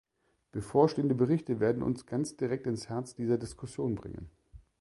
Bevorstehende Berichte werden uns ganz direkt ins Herz dieser Diskussion bringen.